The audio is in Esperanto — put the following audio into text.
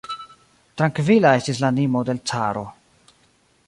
Trankvila estis la animo de l' caro.